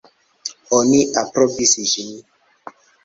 Oni aprobis ĝin.